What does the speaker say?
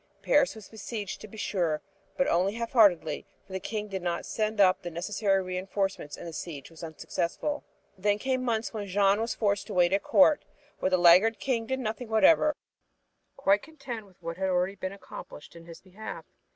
Paris was besieged, to be sure, but only half heartedly, for the King did not send up the necessary reinforcements, and the siege was unsuccessful. Then came months when Jeanne was forced to wait at Court, where the laggard King did nothing whatever, quite content with what had already been accomplished in his behalf.